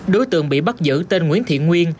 đối tượng bị bắt giữ tên nguyễn thiện nguyên